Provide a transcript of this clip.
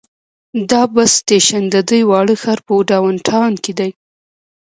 دا بس سټیشن د دې واړه ښار په ډاون ټاون کې دی.